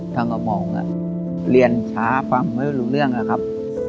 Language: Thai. ทางกับหมองอ่ะเรียนช้าฟังไม่รู้เรื่องนะครับ